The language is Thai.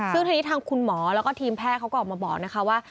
ซึ่งทีนี้ทางคุณหมอแล้วก็ทีมแพทย์เขาก็ออกมาบอกนะคะว่า